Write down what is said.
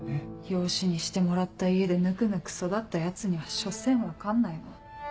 養子にしてもらった家でぬくぬく育ったヤツには所詮分かんないの。